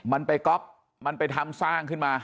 มันไปก๊อปมันไปทำสร้างขึ้นมา